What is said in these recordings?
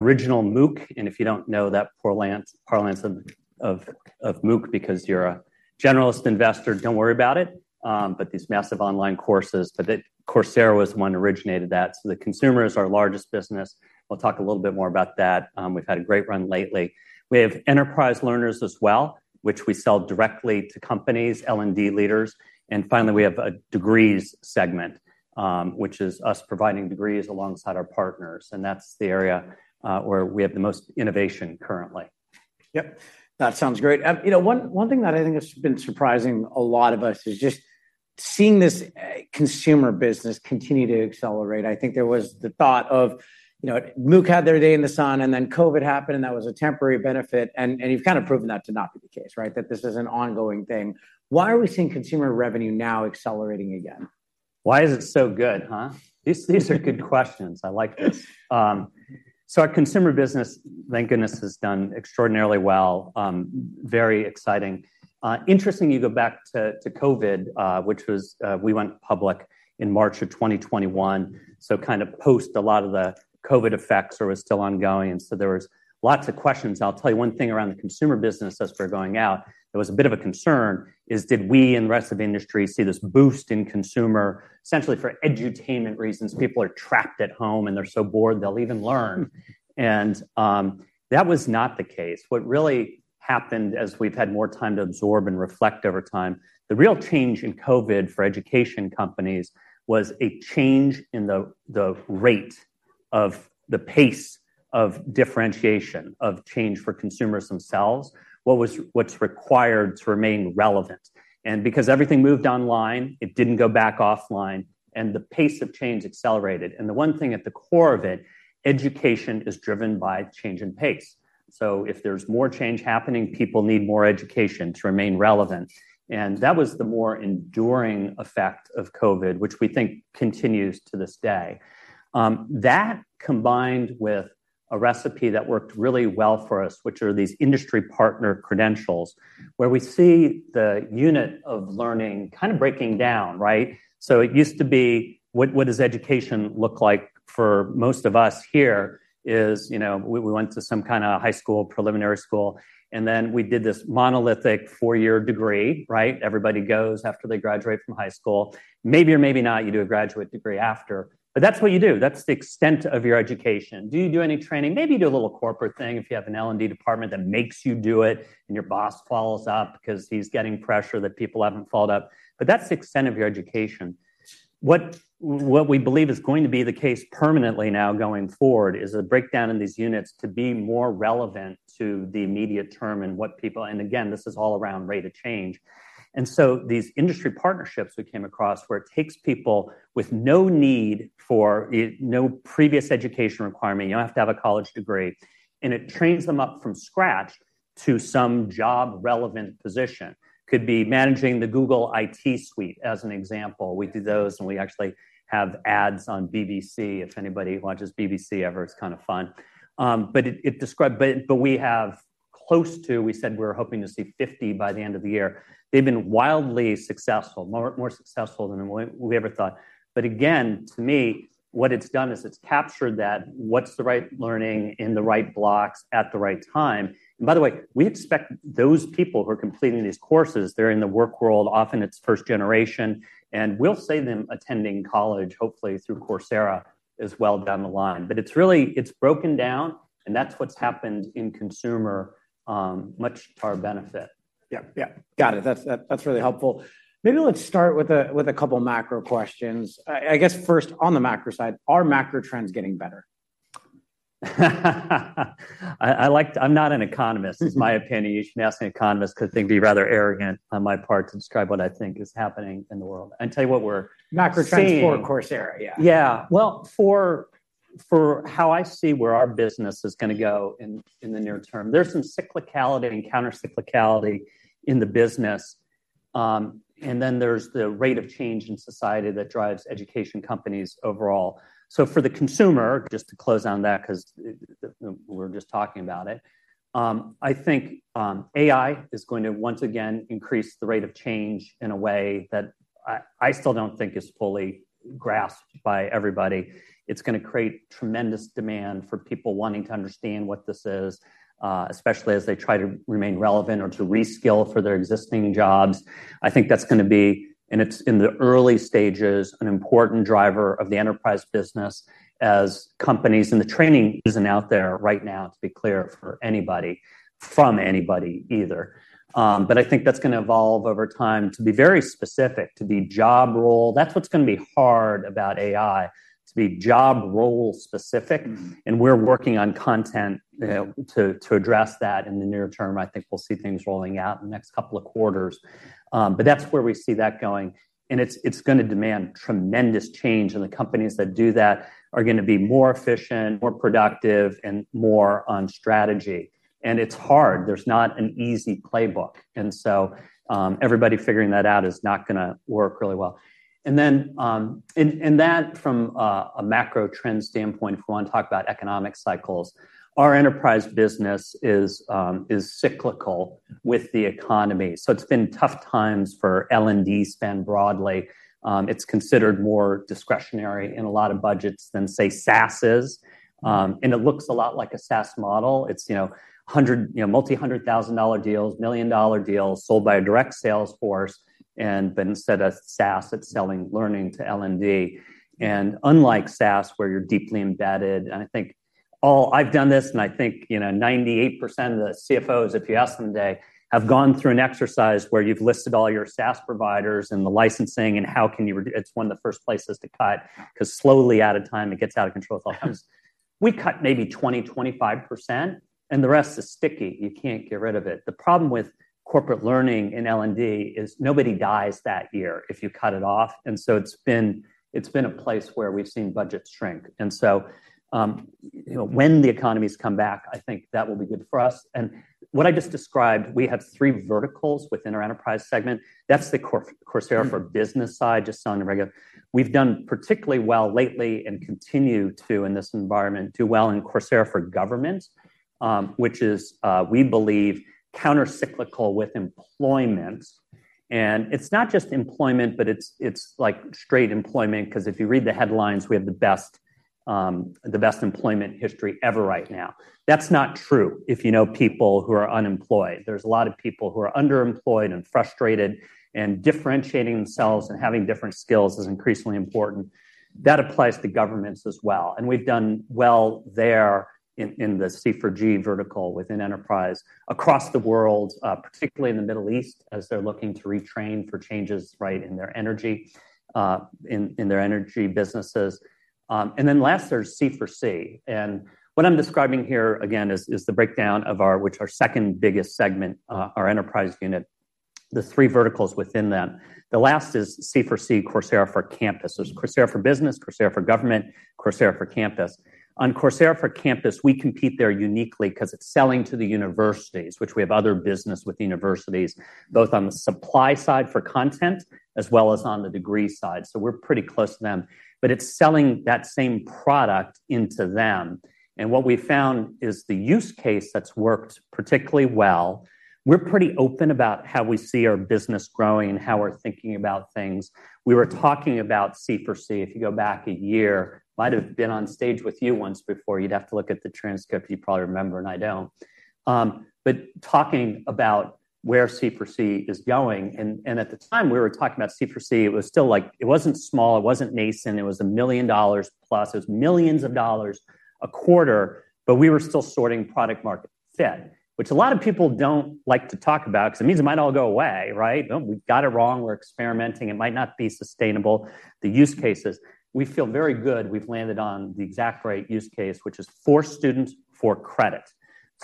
original MOOC, and if you don't know that parlance of MOOC because you're a generalist investor, don't worry about it. But these massive online courses, but that Coursera was the one that originated that. So the consumer is our largest business. We'll talk a little bit more about that. We've had a great run lately. We have enterprise learners as well, which we sell directly to companies, L&D leaders. And finally, we have a degrees segment, which is us providing degrees alongside our partners, and that's the area where we have the most innovation currently. Yep, that sounds great. You know, one thing that I think has been surprising a lot of us is just seeing this consumer business continue to accelerate. I think there was the thought of, you know, MOOC had their day in the sun, and then COVID happened, and that was a temporary benefit, and you've kind of proven that to not be the case, right? That this is an ongoing thing. Why are we seeing consumer revenue now accelerating again? Why is it so good, huh? These, these are good questions. I like this. So our consumer business, thank goodness, has done extraordinarily well. Very exciting. Interesting you go back to COVID, which was, we went public in March of 2021, so kind of post a lot of the COVID effects or was still ongoing. And so there was lots of questions. I'll tell you one thing around the consumer business as we're going out, it was a bit of a concern, is did we and the rest of the industry see this boost in consumer, essentially for edutainment reasons? People are trapped at home, and they're so bored, they'll even learn. And that was not the case. What really happened, as we've had more time to absorb and reflect over time, the real change in COVID for education companies was a change in the rate of the pace of differentiation, of change for consumers themselves, what's required to remain relevant. And because everything moved online, it didn't go back offline, and the pace of change accelerated. And the one thing at the core of it, education is driven by change in pace. So if there's more change happening, people need more education to remain relevant. And that was the more enduring effect of COVID, which we think continues to this day. That combined with a recipe that worked really well for us, which are these industry partner credentials, where we see the unit of learning kind of breaking down, right? So it used to be, what, what does education look like for most of us here is, you know, we, we went to some kind of high school, preliminary school, and then we did this monolithic four-year degree, right? Everybody goes after they graduate from high school. Maybe or maybe not, you do a graduate degree after, but that's what you do. That's the extent of your education. Do you do any training? Maybe you do a little corporate thing if you have an L&D department that makes you do it, and your boss follows up because he's getting pressure that people haven't followed up, but that's the extent of your education. What, what we believe is going to be the case permanently now going forward is a breakdown in these units to be more relevant to the immediate term and what people... And again, this is all around rate of change. So these industry partnerships we came across, where it takes people with no need for no previous education requirement, you don't have to have a college degree, and it trains them up from scratch to some job-relevant position. Could be managing the Google IT suite, as an example. We do those, and we actually have ads on BBC, if anybody watches BBC ever, it's kind of fun. But we have close to 50. We said we were hoping to see 50 by the end of the year. They've been wildly successful, more successful than we ever thought. But again, to me, what it's done is it's captured that, what's the right learning in the right blocks at the right time? By the way, we expect those people who are completing these courses, they're in the work world, often it's first generation, and we'll see them attending college, hopefully through Coursera, as well, down the line. It's really, it's broken down, and that's what's happened in consumer, much to our benefit. Yep, yeah. Got it. That's really helpful. Maybe let's start with a couple macro questions. I guess first, on the macro side, are macro trends getting better? I'm not an economist. This is my opinion. You should ask an economist because it'd be rather arrogant on my part to describe what I think is happening in the world. I'll tell you what we're- Macro trends for Coursera, yeah. Yeah. Well, for how I see where our business is gonna go in the near term, there's some cyclicality and counter-cyclicality in the business. And then there's the rate of change in society that drives education companies overall. So for the consumer, just to close on that because we're just talking about it, I think AI is going to once again increase the rate of change in a way that I still don't think is fully grasped by everybody. It's gonna create tremendous demand for people wanting to understand what this is, especially as they try to remain relevant or to reskill for their existing jobs. I think that's gonna be, and it's in the early stages, an important driver of the enterprise business as companies, and the training isn't out there right now, to be clear, for anybody, from anybody either. But I think that's gonna evolve over time, to be very specific, to be job role. That's what's gonna be hard about AI, to be job role specific. Mm. We're working on content to address that in the near term. I think we'll see things rolling out in the next couple of quarters. But that's where we see that going, and it's gonna demand tremendous change, and the companies that do that are gonna be more efficient, more productive, and more on strategy. It's hard. There's not an easy playbook. So everybody figuring that out is not going to work really well. And then, from a macro trend standpoint, if we want to talk about economic cycles, our enterprise business is cyclical with the economy. So it's been tough times for L&D spend broadly. It's considered more discretionary in a lot of budgets than, say, SaaS is. And it looks a lot like a SaaS model. It's, you know, multi-$100,000 deals, $1 million deals sold by a direct sales force, and but instead of SaaS, it's selling learning to L&D. And unlike SaaS, where you're deeply embedded, and I think—I've done this, and I think, you know, 98% of the CFOs, if you ask them today, have gone through an exercise where you've listed all your SaaS providers and the licensing and how can you. It's one of the first places to cut, 'cause slowly at a time, it gets out of control with all companies. We cut maybe 20%-25%, and the rest is sticky. You can't get rid of it. The problem with corporate learning in L&D is nobody dies that year if you cut it off, and so it's been, it's been a place where we've seen budgets shrink. So, you know, when the economies come back, I think that will be good for us. What I just described, we have three verticals within our enterprise segment. That's the Coursera for Business side, just selling the regular. We've done particularly well lately and continue to, in this environment, do well in Coursera for Government, which is, we believe, countercyclical with employment. It's not just employment, but it's, it's like straight employment, 'cause if you read the headlines, we have the best, the best employment history ever right now. That's not true if you know people who are unemployed. There's a lot of people who are underemployed and frustrated, and differentiating themselves and having different skills is increasingly important. That applies to governments as well, and we've done well there in the C for G vertical within enterprise across the world, particularly in the Middle East, as they're looking to retrain for changes, right, in their energy businesses. And then last, there's C for C. And what I'm describing here, again, is the breakdown of our second biggest segment, our enterprise unit, the three verticals within them. The last is C for C, Coursera for Campus. There's Coursera for Business, Coursera for Government, Coursera for Campus. On Coursera for Campus, we compete there uniquely 'cause it's selling to the universities, which we have other business with universities, both on the supply side for content, as well as on the degree side. So we're pretty close to them, but it's selling that same product into them. And what we found is the use case that's worked particularly well. We're pretty open about how we see our business growing and how we're thinking about things. We were talking about C for C, if you go back a year, might have been on stage with you once before. You'd have to look at the transcript. You probably remember, and I don't. But talking about where C for C is going, and at the time we were talking about C for C, it was still like, it wasn't small, it wasn't nascent, it was $1 million+. It's millions of dollars a quarter, but we were still sorting product market fit, which a lot of people don't like to talk about, because it means it might all go away, right? Oh, we've got it wrong, we're experimenting, it might not be sustainable. The use cases, we feel very good we've landed on the exact right use case, which is for students, for credit.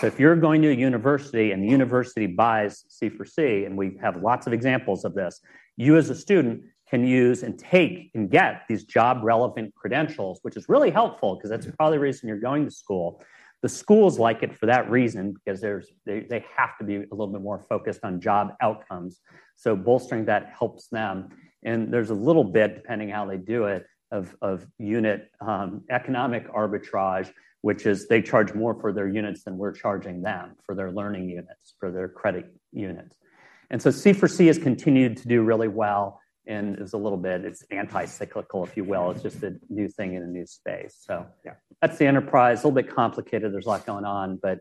So if you're going to a university, and the university buys C for C, and we have lots of examples of this, you, as a student, can use and take and get these job-relevant credentials, which is really helpful because that's probably the reason you're going to school. The schools like it for that reason, because there's, they, they have to be a little bit more focused on job outcomes. So bolstering that helps them. And there's a little bit, depending on how they do it, of unit economic arbitrage, which is they charge more for their units than we're charging them for their learning units, for their credit units. And so, C for C has continued to do really well and is a little bit. It's anti-cyclical, if you will. It's just a new thing in a new space. So- Yeah. That's the enterprise, a little bit complicated. There's a lot going on, but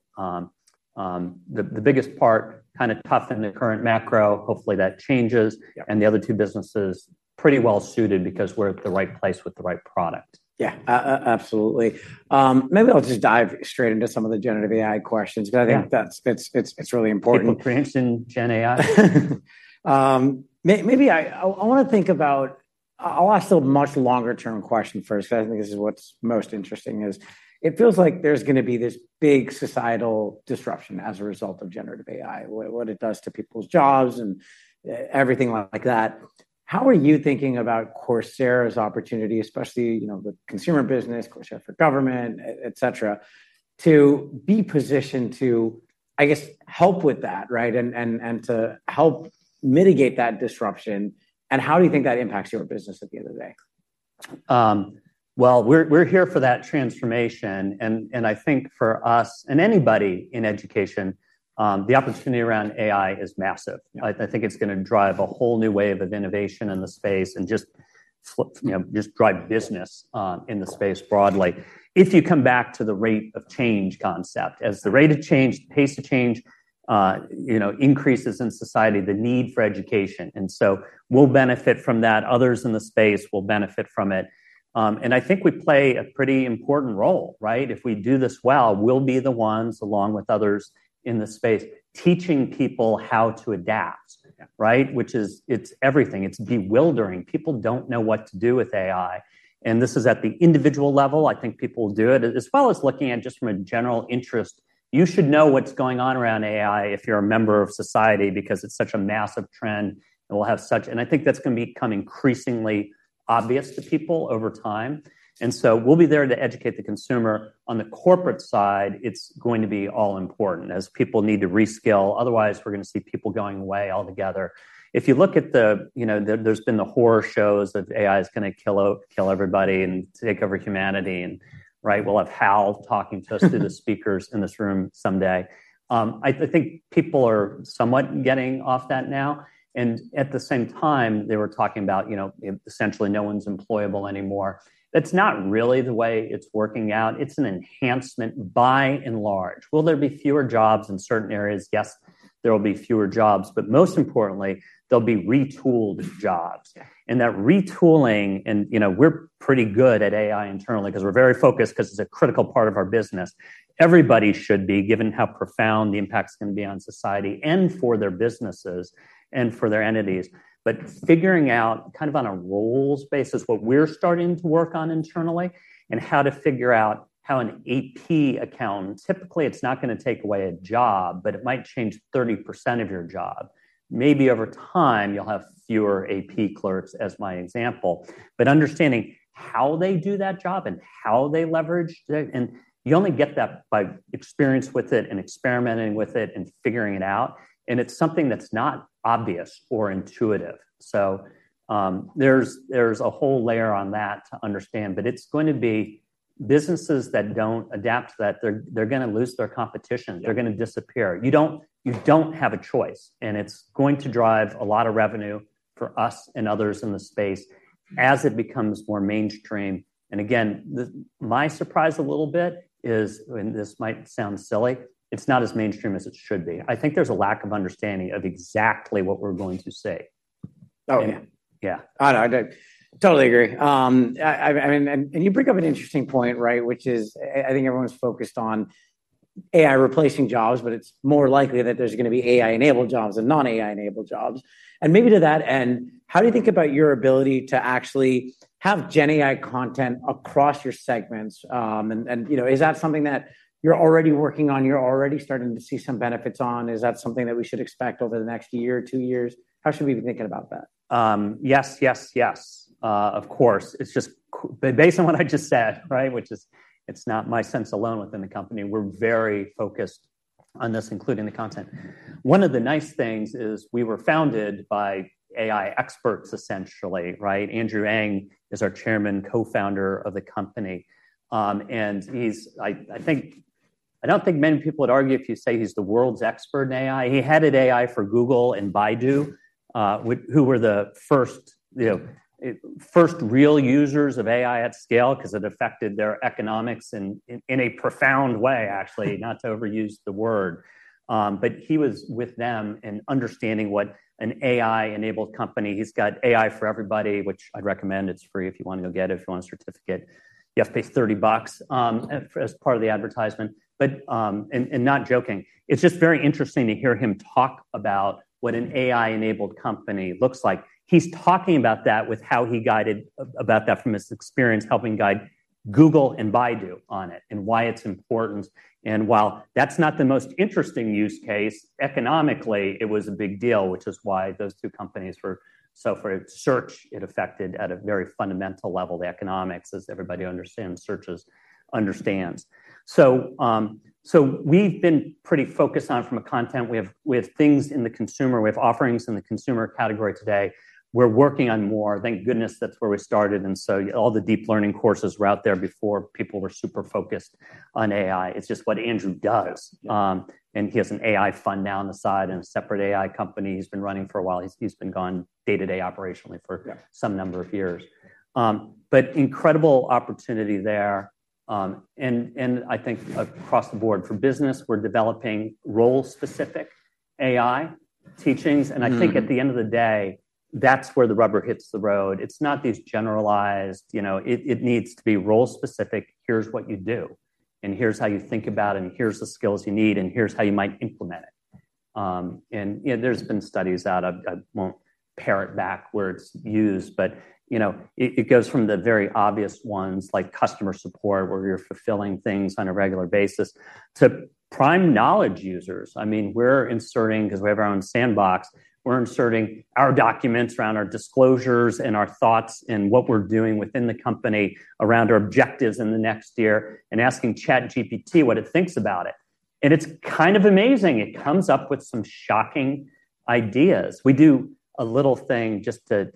the biggest part, kinda tough in the current macro. Hopefully, that changes. Yeah. The other two businesses, pretty well suited because we're at the right place with the right product. Yeah, absolutely. Maybe I'll just dive straight into some of the generative AI questions- Yeah. But I think that's, it's really important. People prints in GenAI? Maybe I wanna think about... I'll ask a much longer-term question first, 'cause I think this is what's most interesting, is it feels like there's going to be this big societal disruption as a result of generative AI, what it does to people's jobs and, everything like that. How are you thinking about Coursera's opportunity, especially, you know, the consumer business, Coursera for Government, et cetera, to be positioned to, I guess, help with that, right? And to help mitigate that disruption, and how do you think that impacts your business at the end of the day? Well, we're here for that transformation, and I think for us and anybody in education, the opportunity around AI is massive. Yeah. I think it's going to drive a whole new wave of innovation in the space and just flip, you know, just drive business in the space broadly. If you come back to the rate of change concept, as the rate of change, pace of change, you know, increases in society, the need for education, and so we'll benefit from that. Others in the space will benefit from it. And I think we play a pretty important role, right? If we do this well, we'll be the ones, along with others in this space, teaching people how to adapt- Yeah. Right? Which is, it's everything. It's bewildering. People don't know what to do with AI, and this is at the individual level. I think people will do it, as well as looking at just from a general interest, you should know what's going on around AI if you're a member of society, because it's such a massive trend, and we'll have such, and I think that's going to become increasingly obvious to people over time, and so we'll be there to educate the consumer. On the corporate side, it's going to be all important, as people need to reskill. Otherwise, we're going to see people going away altogether. If you look at the, you know, there, there's been the horror shows that AI is going to kill everybody and take over humanity, and right, we'll have HAL talking to us through the speakers in this room someday. I think people are somewhat getting off that now, and at the same time, they were talking about, you know, essentially, no one's employable anymore. That's not really the way it's working out. It's an enhancement by and large. Will there be fewer jobs in certain areas? Yes. There will be fewer jobs, but most importantly, there'll be retooled jobs. Yeah. That retooling, you know, we're pretty good at AI internally, 'cause we're very focused, 'cause it's a critical part of our business. Everybody should be, given how profound the impact's gonna be on society, and for their businesses, and for their entities. But figuring out, kind of on a roles basis, what we're starting to work on internally, and how to figure out how an AP accountant, typically, it's not gonna take away a job, but it might change 30% of your job. Maybe over time, you'll have fewer AP clerks, as my example. But understanding how they do that job and how they leverage the, and you only get that by experience with it, and experimenting with it, and figuring it out, and it's something that's not obvious or intuitive. So, there's a whole layer on that to understand. But it's going to be businesses that don't adapt to that. They're gonna lose to their competition. Yeah. They're gonna disappear. You don't, you don't have a choice, and it's going to drive a lot of revenue for us and others in the space as it becomes more mainstream. And again, my surprise a little bit is, and this might sound silly, it's not as mainstream as it should be. I think there's a lack of understanding of exactly what we're going to see. Oh, yeah. Yeah. I totally agree. I mean, and you bring up an interesting point, right? Which is, I think everyone's focused on AI replacing jobs, but it's more likely that there's gonna be AI-enabled jobs than non-AI-enabled jobs. And maybe to that end, how do you think about your ability to actually have GenAI content across your segments? And, you know, is that something that you're already working on, you're already starting to see some benefits on? Is that something that we should expect over the next year or two years? How should we be thinking about that? Yes, yes, yes. Of course. It's just based on what I just said, right? Which is, it's not my sense alone within the company. We're very focused on this, including the content. One of the nice things is, we were founded by AI experts, essentially, right? Andrew Ng is our Chairman, Co-founder of the company. And he's, I think, I don't think many people would argue if you say he's the world's expert in AI. He headed AI for Google and Baidu, who were the first, you know, first real users of AI at scale, 'cause it affected their economics in a profound way, actually, not to overuse the word. But he was with them in understanding what an AI-enabled company, he's got AI for Everybody, which I'd recommend. It's free if you want to go get it. If you want a certificate, you have to pay $30 as part of the advertisement. But, and not joking, it's just very interesting to hear him talk about what an AI-enabled company looks like. He's talking about that with how he guided about that from his experience, helping guide Google and Baidu on it, and why it's important. And while that's not the most interesting use case, economically, it was a big deal, which is why those two companies were. So for search, it affected at a very fundamental level the economics, as everybody who understands searches understands. So we've been pretty focused on it from a content. We have, we have things in the consumer, we have offerings in the consumer category today. We're working on more. Thank goodness that's where we started, and so all the deep learning courses were out there before people were super focused on AI. It's just what Andrew does. Yeah. He has an AI fund now on the side, and a separate AI company he's been running for a while. He's been gone day-to-day operationally for- Yeah... some number of years. But incredible opportunity there. And I think across the board, for business, we're developing role-specific AI teachings. Mm-hmm. And I think at the end of the day, that's where the rubber hits the road. It's not these generalized, you know, it needs to be role specific: Here's what you do, and here's how you think about it, and here's the skills you need, and here's how you might implement it. And, you know, there's been studies out. I won't pare it back where it's used, but, you know, it goes from the very obvious ones, like customer support, where you're fulfilling things on a regular basis, to prime knowledge users. I mean, we're inserting, because we have our own sandbox, we're inserting our documents around our disclosures, and our thoughts, and what we're doing within the company, around our objectives in the next year, and asking ChatGPT what it thinks about it. And it's kind of amazing. It comes up with some shocking ideas. We do a little thing just to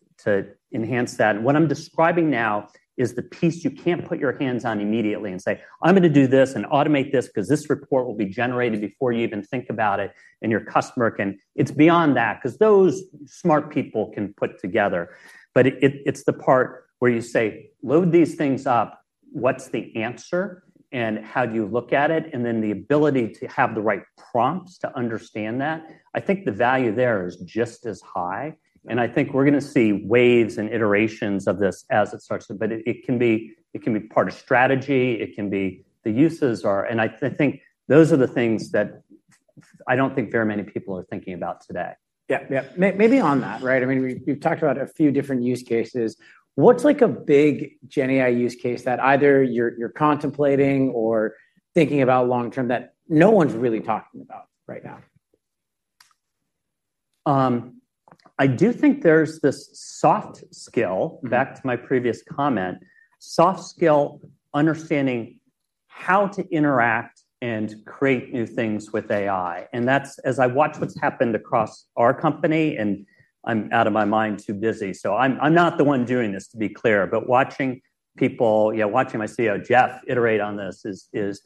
enhance that. What I'm describing now is the piece you can't put your hands on immediately and say, "I'm gonna do this and automate this, 'cause this report will be generated before you even think about it, and your customer can..." It's beyond that, 'cause those smart people can put together. But it's the part where you say, "Load these things up. What's the answer, and how do you look at it?". And then the ability to have the right prompts to understand that, I think the value there is just as high, and I think we're gonna see waves and iterations of this as it starts to. But it can be part of strategy, it can be. The uses are. And I think those are the things that I don't think very many people are thinking about today. Yeah, yeah. Maybe on that, right? I mean, we've talked about a few different use cases. What's, like, a big GenAI use case that either you're contemplating or thinking about long term, that no one's really talking about right now? I do think there's this soft skill, back to my previous comment, soft skill, understanding how to interact and create new things with AI. And that's. As I watch what's happened across our company, and I'm out of my mind, too busy, so I'm not the one doing this, to be clear, but watching people, you know, watching my CEO, Jeff, iterate on this is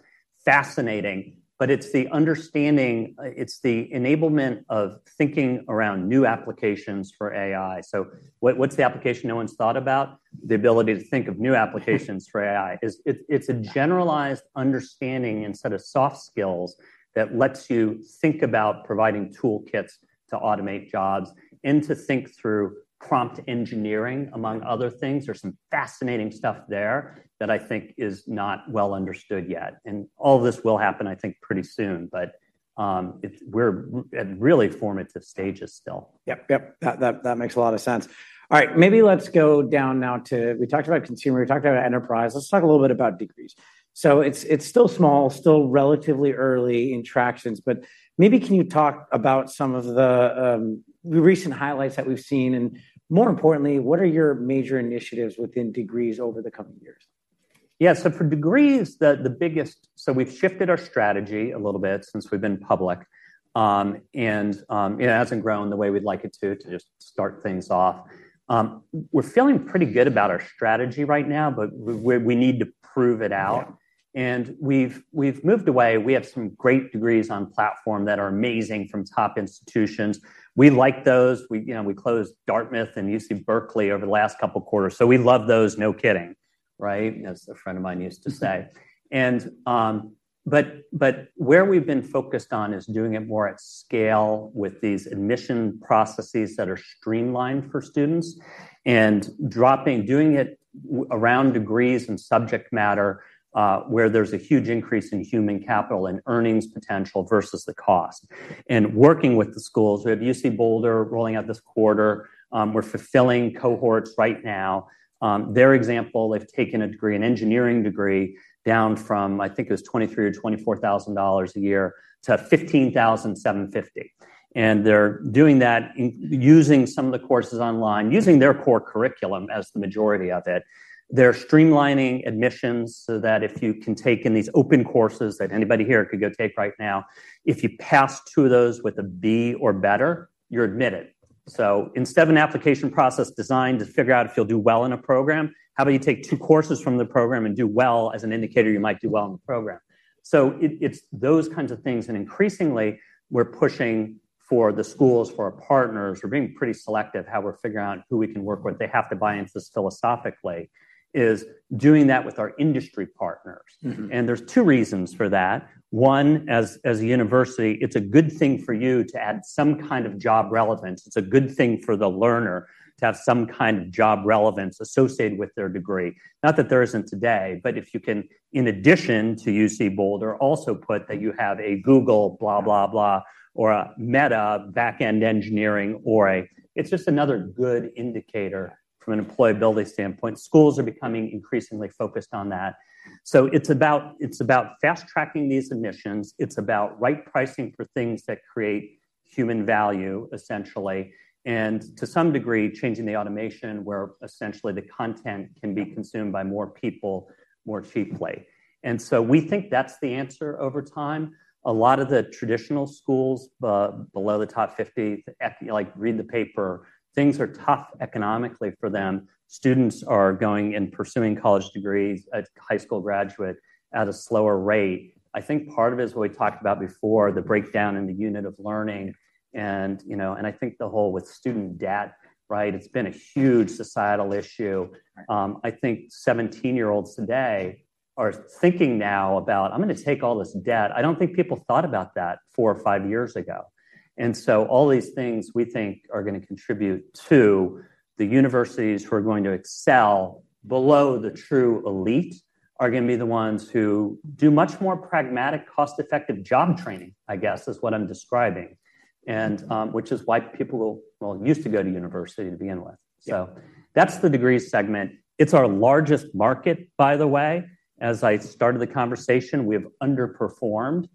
fascinating. But it's the understanding, it's the enablement of thinking around new applications for AI. So what's the application no one's thought about? The ability to think of new applications for AI. It's a generalized understanding and set of soft skills that lets you think about providing toolkits to automate jobs and to think through prompt engineering, among other things. There's some fascinating stuff there that I think is not well understood yet, and all this will happen, I think, pretty soon, but we're at really formative stages still. Yep, yep, that makes a lot of sense. All right, maybe let's go down now to, we talked about consumer, we talked about enterprise. Let's talk a little bit about degrees. It's still small, still relatively early in traction, but maybe can you talk about some of the recent highlights that we've seen? And more importantly, what are your major initiatives within degrees over the coming years? Yeah, so for degrees, so we've shifted our strategy a little bit since we've been public, and it hasn't grown the way we'd like it to just start things off. We're feeling pretty good about our strategy right now, but we need to prove it out. Yeah. We've moved away. We have some great degrees on platform that are amazing from top institutions. We like those. We, you know, we closed Dartmouth and UC Berkeley over the last couple quarters, so we love those, no kidding, right? As a friend of mine used to say. But where we've been focused on is doing it more at scale with these admission processes that are streamlined for students, and doing it around degrees and subject matter where there's a huge increase in human capital and earnings potential versus the cost. Working with the schools, we have UC Boulder rolling out this quarter, we're fulfilling cohorts right now. Their example, they've taken a degree, an engineering degree, down from, I think it was $23,000 or $24,000 a year, to $15,750. And they're doing that using some of the courses online, using their core curriculum as the majority of it. They're streamlining admissions so that if you can take in these open courses, that anybody here could go take right now, if you pass two of those with a B or better, you're admitted. So instead of an application process designed to figure out if you'll do well in a program, how about you take two courses from the program and do well as an indicator you might do well in the program? So it's those kinds of things, and increasingly, we're pushing for the schools, for our partners. We're being pretty selective how we're figuring out who we can work with. They have to buy into this philosophically, is doing that with our industry partners. Mm-hmm. There's two reasons for that. One, as, as a university, it's a good thing for you to add some kind of job relevance. It's a good thing for the learner to have some kind of job relevance associated with their degree. Not that there isn't today, but if you can, in addition to UC Boulder, also put that you have a Google blah, blah, blah, or a Meta backend engineering, or a, it's just another good indicator from an employability standpoint. Schools are becoming increasingly focused on that. So it's about, it's about fast-tracking these admissions. It's about right pricing for things that create human value, essentially, and to some degree, changing the automation, where essentially the content can be consumed by more people, more cheaply. And so we think that's the answer over time. A lot of the traditional schools below the top 50, like, read the paper, things are tough economically for them. Students are going and pursuing college degrees at high school graduate at a slower rate. I think part of it is what we talked about before, the breakdown in the unit of learning and, you know, and I think the whole with student debt, right, it's been a huge societal issue. Right. I think 17-year-olds today are thinking now about, "I'm gonna take all this debt." I don't think people thought about that four or five years ago. So all these things, we think, are gonna contribute to the universities who are going to excel below the true elite, are gonna be the ones who do much more pragmatic, cost-effective job training, I guess, is what I'm describing. Which is why people, well, used to go to university to begin with. Yeah. So that's the degree segment. It's our largest market, by the way. As I started the conversation, we have underperformed.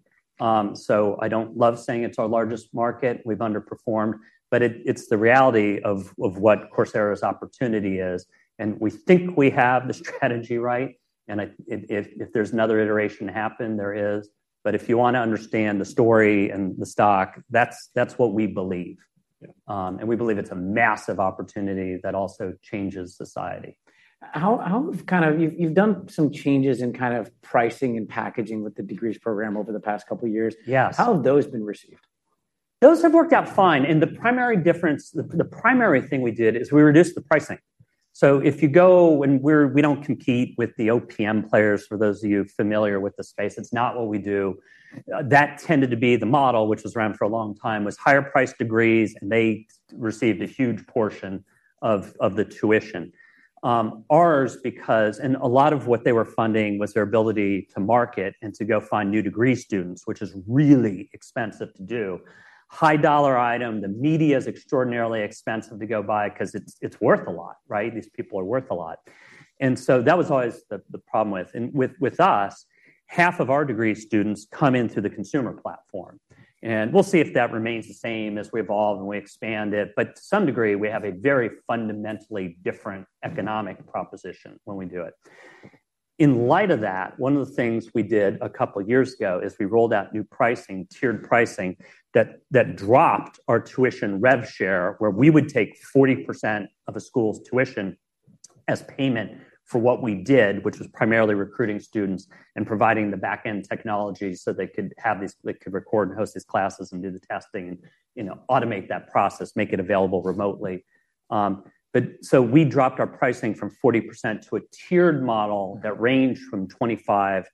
So I don't love saying it's our largest market. We've underperformed, but it, it's the reality of what Coursera's opportunity is, and we think we have the strategy right, and if there's another iteration to happen, there is. But if you wanna understand the story and the stock, that's what we believe. Yeah. We believe it's a massive opportunity that also changes society. How kind of, you've done some changes in kind of pricing and packaging with the degrees program over the past couple of years. Yes. How have those been received? Those have worked out fine, and the primary difference, the primary thing we did is we reduced the pricing. So if you go, and we're, we don't compete with the OPM players, for those of you familiar with the space, it's not what we do. That tended to be the model, which was around for a long time, was higher priced degrees, and they received a huge portion of the tuition. Ours, because, and a lot of what they were funding was their ability to market and to go find new degree students, which is really expensive to do. High dollar item, the media is extraordinarily expensive to go buy because it's worth a lot, right? These people are worth a lot. And so that was always the problem with. And with us, half of our degree students come into the consumer platform, and we'll see if that remains the same as we evolve and we expand it. But to some degree, we have a very fundamentally different economic proposition when we do it. In light of that, one of the things we did a couple of years ago is we rolled out new pricing, tiered pricing, that dropped our tuition rev share, where we would take 40% of a school's tuition as payment for what we did, which was primarily recruiting students and providing the back-end technology so they could record and host these classes and do the testing and, you know, automate that process, make it available remotely. But so we dropped our pricing from 40% to a tiered model that ranged from 25%-40%.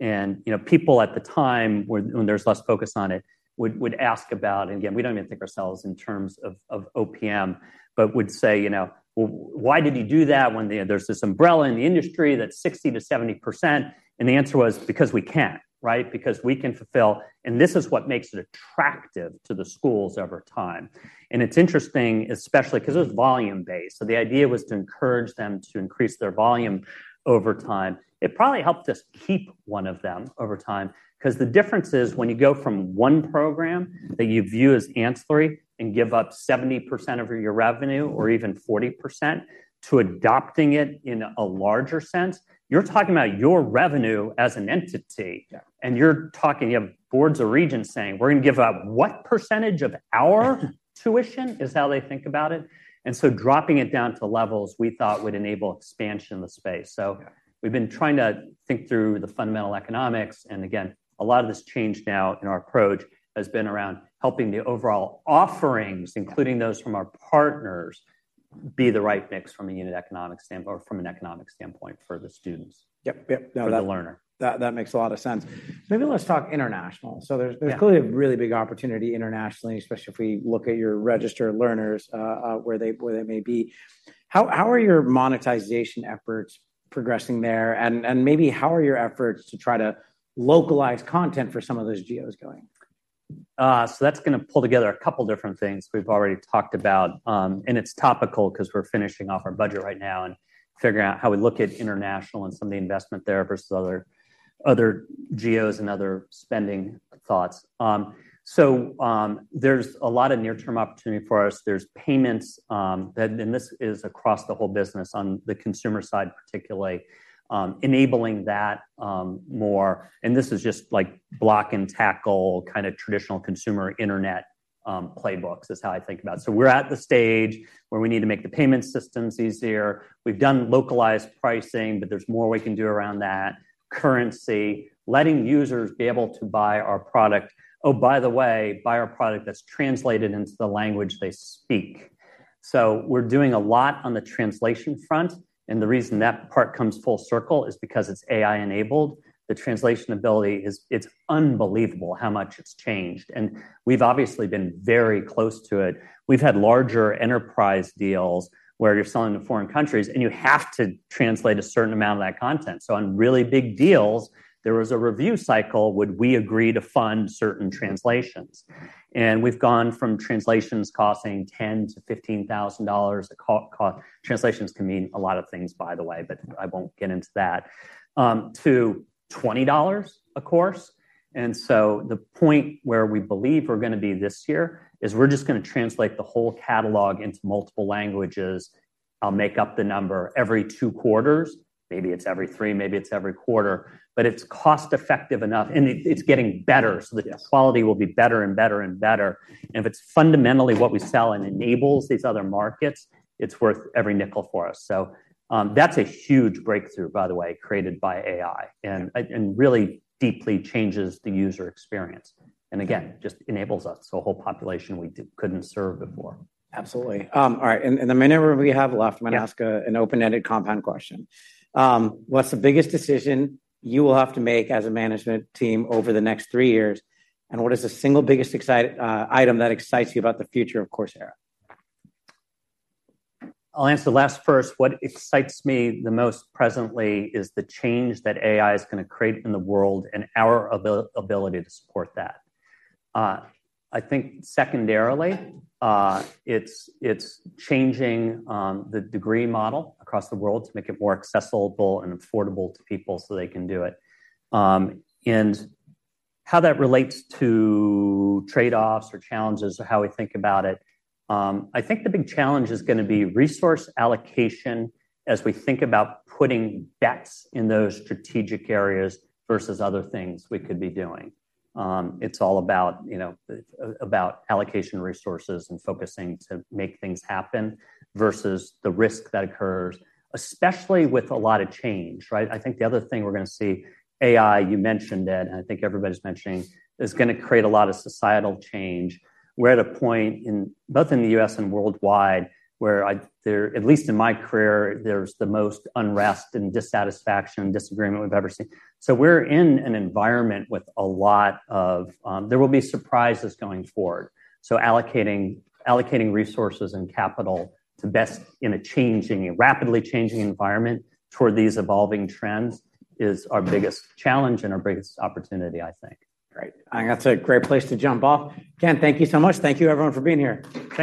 You know, people at the time, when there was less focus on it, would ask about, and again, we don't even think of ourselves in terms of OPM, but would say, you know, "Well, why did you do that when there's this umbrella in the industry that's 60%-70%?" And the answer was: Because we can, right? Because we can fulfill and this is what makes it attractive to the schools over time. And it's interesting, especially because it was volume-based. So the idea was to encourage them to increase their volume over time. It probably helped us keep one of them over time, because the difference is, when you go from one program that you view as ancillary and give up 70% of your revenue, or even 40%, to adopting it in a larger sense, you're talking about your revenue as an entity. Yeah. You're talking, you have boards of regents saying, "We're going to give up what percentage of our tuition?" Is how they think about it. And so dropping it down to levels we thought would enable expansion in the space. Yeah. So we've been trying to think through the fundamental economics, and again, a lot of this change now in our approach has been around helping the overall offerings, including those from our partners, be the right mix from a unit economic standpoint or from an economic standpoint for the students. Yep. Yep. For the learner. That makes a lot of sense. Maybe let's talk international. Yeah. So there's clearly a really big opportunity internationally, especially if we look at your registered learners where they may be. How are your monetization efforts progressing there? And maybe how are your efforts to try to localize content for some of those geos going? So that's going to pull together a couple different things we've already talked about. And it's topical 'cause we're finishing off our budget right now and figuring out how we look at international and some of the investment there versus other, other geos and other spending thoughts. So, there's a lot of near-term opportunity for us. There's payments that. And this is across the whole business, on the consumer side, particularly, enabling that more. And this is just, like, block-and-tackle, kind of traditional consumer internet playbooks, is how I think about it. So we're at the stage where we need to make the payment systems easier. We've done localized pricing, but there's more we can do around that. Currency, letting users be able to buy our product. Oh, by the way, buy our product that's translated into the language they speak. So we're doing a lot on the translation front, and the reason that part comes full circle is because it's AI-enabled. The translation ability. It's unbelievable how much it's changed. And we've obviously been very close to it. We've had larger enterprise deals where you're selling to foreign countries, and you have to translate a certain amount of that content. So on really big deals, there was a review cycle: would we agree to fund certain translations? And we've gone from translations costing $10,000-$15,000, translations can mean a lot of things, by the way, but I won't get into that, to $20 a course. And so the point where we believe we're going to be this year is we're just going to translate the whole catalog into multiple languages. I'll make up the number, every two quarters, maybe it's every three, maybe it's every quarter, but it's cost-effective enough, and it, it's getting better- Yes... so the quality will be better and better and better. And if it's fundamentally what we sell and enables these other markets, it's worth every nickel for us. So, that's a huge breakthrough, by the way, created by AI, and really deeply changes the user experience. And again, just enables us, so a whole population we couldn't serve before. Absolutely. All right, and in the minute we have left- Yeah... I'm going to ask an open-ended compound question: What's the biggest decision you will have to make as a management team over the next three years? And what is the single biggest exciting item that excites you about the future of Coursera? I'll answer the last first. What excites me the most presently is the change that AI is going to create in the world and our ability to support that. I think secondarily, it's changing the degree model across the world to make it more accessible and affordable to people so they can do it. And how that relates to trade-offs or challenges or how we think about it, I think the big challenge is going to be resource allocation as we think about putting bets in those strategic areas versus other things we could be doing. It's all about, you know, about allocation of resources and focusing to make things happen versus the risk that occurs, especially with a lot of change, right? I think the other thing we're going to see, AI, you mentioned it, and I think everybody's mentioning, is going to create a lot of societal change. We're at a point in both the U.S. and worldwide, where, at least in my career, there's the most unrest and dissatisfaction, disagreement we've ever seen. So we're in an environment with a lot of, there will be surprises going forward. So allocating resources and capital to best in a changing, a rapidly changing environment toward these evolving trends is our biggest challenge and our biggest opportunity, I think. Great. I think that's a great place to jump off. Ken, thank you so much. Thank you, everyone, for being here.